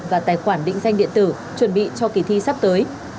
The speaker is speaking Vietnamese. và tài khoản định danh điện tử chuẩn bị cho kỳ thi sắp tới